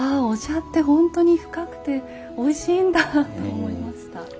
お茶って本当に深くておいしいんだと思いました。